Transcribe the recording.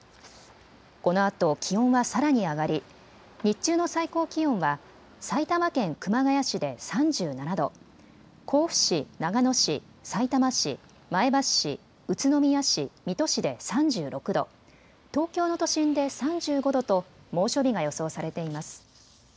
このあと気温はさらに上がり日中の最高気温は埼玉県熊谷市で３７度、甲府市、長野市、さいたま市、前橋市、宇都宮市、水戸市で３６度、東京の都心で３５度と猛暑日が予想されています。